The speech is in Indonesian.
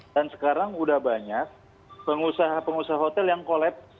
dan sekarang sudah banyak pengusaha pengusaha hotel yang kolaps